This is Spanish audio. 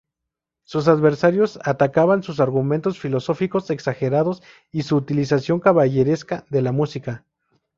Sus adversarios atacaban sus argumentos filosóficos exagerados y su utilización caballeresca de la música.